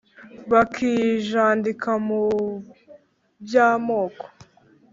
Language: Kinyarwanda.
bakijandika muby’amoko